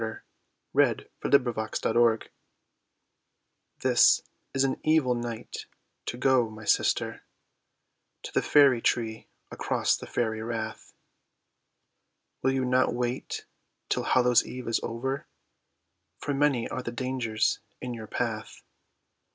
THE BALLAD OF THE FAIRY THORN TREE This is an evil night to go, my sister, To the fairy tree across the fairy rath, Will you not wait till Hallow Eve is over? For many are the dangers in your path!